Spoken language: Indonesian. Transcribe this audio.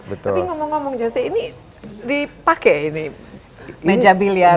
tapi ngomong ngomong josie ini dipake ini meja biliarnya